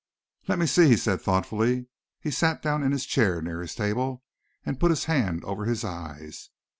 "Let me see," he said thoughtfully. He sat down in his chair near his table and put his hand over his eyes.